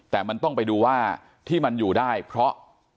แต่มันต้องไปดูว่าที่มันอยู่ได้เพราะ